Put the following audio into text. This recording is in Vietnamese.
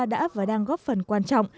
đã và đang góp phần quan trọng